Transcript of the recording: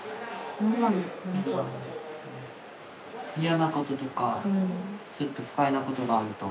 嫌なこととかちょっと不快なことがあると。